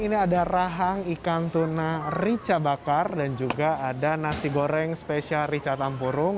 ini ada rahang ikan tuna rica bakar dan juga ada nasi goreng spesial rica tampurung